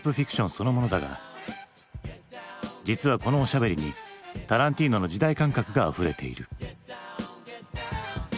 そのものだが実はこのおしゃべりにタランティーノの時代感覚があふれている。